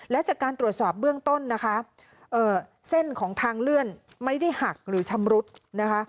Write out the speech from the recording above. และจากการตรวจสอบเบื้องต้นนะคะเส้นของทางเลื่อนไม่ได้หักหรือชำรุดนะคะ